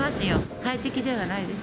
快適ではないです。